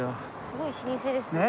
すごい老舗ですね。